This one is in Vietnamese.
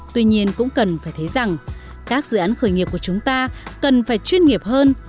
tuy nhiên cũng cần phải thấy rằng các dự án khởi nghiệp của chúng ta cần phải chuyên nghiệp hơn